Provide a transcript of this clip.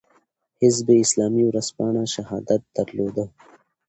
حزب اسلامي ورځپاڼه "شهادت" درلوده.